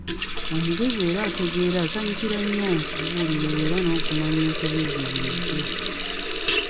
Omugezi era ategeera asanyukira nnyo okubuulirirwa era n'okumanya ensobi ze bulijjo.